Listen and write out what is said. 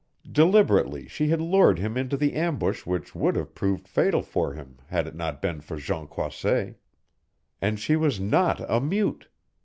Deliberately she had lured him into the ambush which would have proved fatal for him had it not been for Jean Croisset. And she was not a mute!